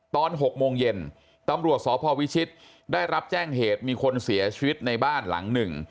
ตอน๖โมงเย็นตำรวจสพวิชิตได้รับแจ้งเหตุมีคนเสียชีวิตในบ้านหลังหนึ่ง